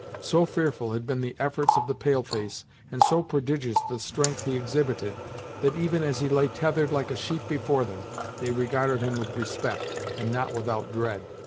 So fearful had been the efforts of the pale face, and so prodigious the strength he exhibited, that even as he lay tethered like a sheep before them, they regarded him with respect, and not without dread.